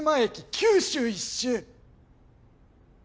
九州一周！